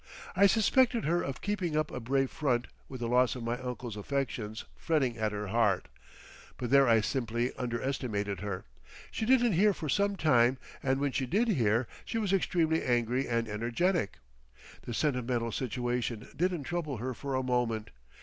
I suspected her of keeping up a brave front with the loss of my uncle's affections fretting at her heart, but there I simply underestimated her. She didn't hear for some time and when she did hear she was extremely angry and energetic. The sentimental situation didn't trouble her for a moment.